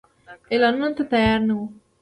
اعلانولو ته تیار نه وو.